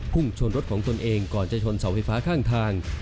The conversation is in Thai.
พุ่งชนรถของตนเองก่อนจะชนเสาไฟฟ้าข้างทาง